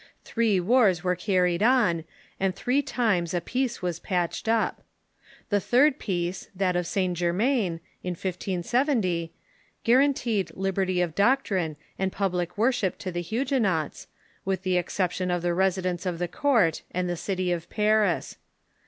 Three wars were carried on, and three times a peace was patched up. The third peace, that of St. Germain, in 1570, guaranteed lib erty of doctrine and public worship to the Huguenots, with the exception of the residence of the court and the city of Paris.